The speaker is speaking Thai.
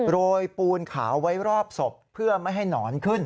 โรยปูนขาวไว้รอบศพเพื่อไม่ให้หนอนขึ้น